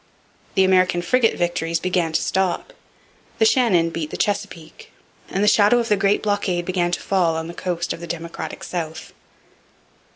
The American frigate victories began to stop. The Shannon beat the Chesapeake. And the shadow of the Great Blockade began to fall on the coast of the Democratic South.